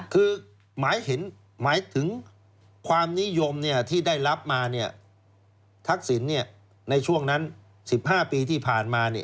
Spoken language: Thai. คือหมายถึงความนิยมที่ได้รับมาทักษิณในช่วงนั้น๑๕ปีที่ผ่านมา